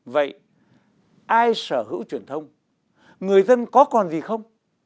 vậy ai sở hữu truyền thông người dân có còn gì không